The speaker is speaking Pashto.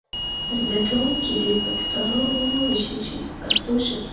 زده کوونکي دې په کتارونو وویشل شي په پښتو ژبه.